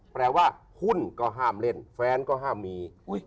แปลว่าหุ้นก็ห้ามเล่นแฟนก็ห้ามมี